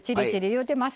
いうてます。